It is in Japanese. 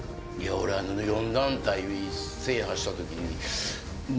俺４団体制覇したときに。